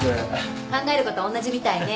考えること同じみたいね。